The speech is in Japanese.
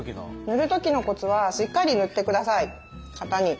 塗る時のコツはしっかり塗ってください型に。